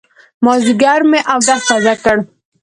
مازيګر مې اودس تازه کړ.